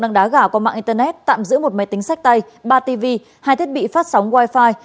đăng đá gà qua mạng internet tạm giữ một máy tính sách tay ba tv hai thiết bị phát sóng wifi